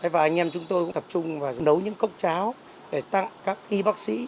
và anh em chúng tôi cũng tập trung và nấu những cốc cháo để tặng các y bác sĩ